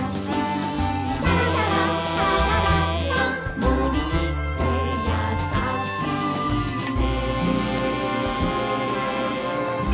「シャラシャラシャラララ森ってやさしいね」